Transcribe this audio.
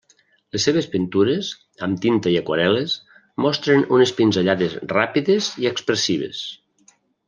Les seves pintures, amb tinta i aquarel·les, mostren unes pinzellades ràpides i expressives.